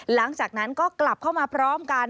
หลังจากนั้นก็กลับเข้ามาพร้อมกัน